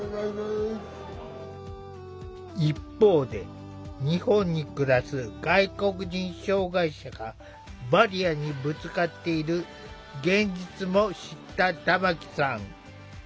一方で日本に暮らす外国人障害者がバリアにぶつかっている現実も知った玉木さん。